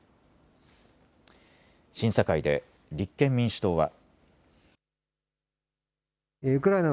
審査会で立憲民主党は。